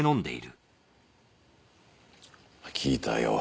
聞いたよ。